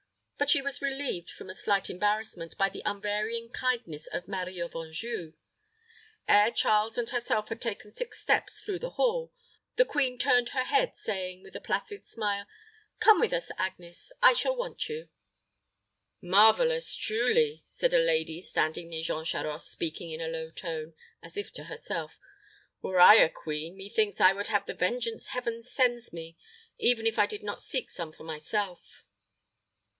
But she was relieved from a slight embarrassment by the unvarying kindness of Marie of Anjou. Ere Charles and herself had taken six steps through the hall, the queen turned her head, saying, with a placid smile, "Come with us, Agnes. I shall want you." "Marvelous, truly!" said a lady standing near Jean Charost, speaking in a low tone, as if to herself. "Were I a queen, methinks I would have the vengeance Heaven sends me, even if I did not seek some for myself."